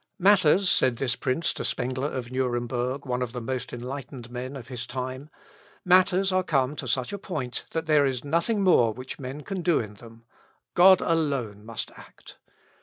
"Matters," said this prince to Spengler of Nuremberg, one of the most enlightened men of his time; "matters are come to such a point, that there is nothing more which men can do in them; God alone must act.